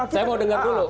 saya mau dengar dulu